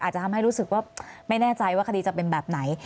อาจจะทำให้รู้สึกว่าไม่แน่ใจว่าคดีจะเป็นแบบไหน